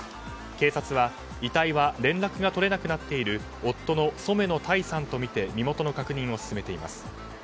警察は遺体は連絡が取れなくなっている夫の染野耐さんとみて身元の確認を進めています。